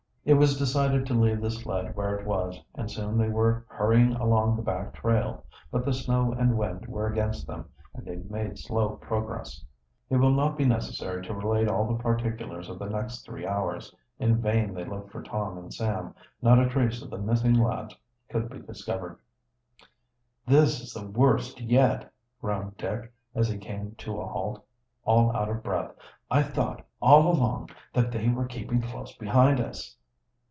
It was decided to leave the sled where it was, and soon they were hurrying along the back trail. But the snow and wind were against them, and they made slow progress. "It will not be necessary to relate all the particulars of the next three hours. In vain they looked for Tom and Sam. Not a trace of the missing lads could be discovered. "This the worst yet!" groaned Dick, as he came to a halt, all out of breath. "I thought, all along, that they were keeping close behind us!"